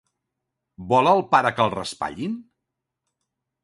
Vol el pare que el raspallin?